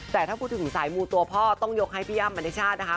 แต่ถ้าพูดถึงสายมูตัวพ่อต้องยกให้พี่อ้ำมณิชาตินะคะ